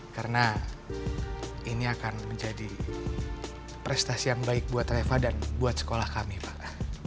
karena ini akan menjadi prestasi yang baik buat reva dan buat sekolah kami pak